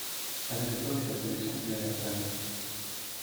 À cette époque sa production s'élève à tonnes.